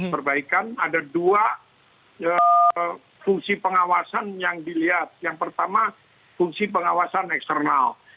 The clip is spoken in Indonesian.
perbaikan ada dua fungsi pengawasan yang dilihat yang pertama fungsi pengawasan eksternal